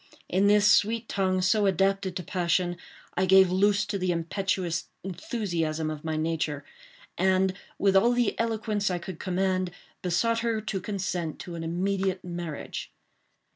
In this sweet tongue, so adapted to passion, I gave loose to the impetuous enthusiasm of my nature, and, with all the eloquence I could command, besought her to consent to an immediate marriage.